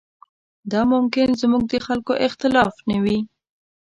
دا ممکن زموږ د خلکو اختلاف نه وي.